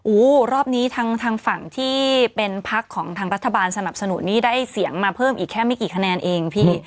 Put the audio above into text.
รอบนี้ทางฝั่งที่เป็นพักของทางรัฐบาลสนับสนุนนี่ได้เสียงมาเพิ่มอีกแค่ไม่กี่คะแนนเองพี่